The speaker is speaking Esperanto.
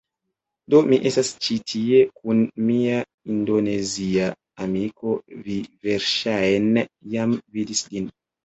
Do, mi estas ĉi tie kun mia Indonezia amiko vi verŝajne jam vidis lin